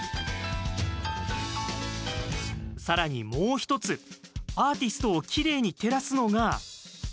さらに、もう１つアーティストをきれいに照らすのが。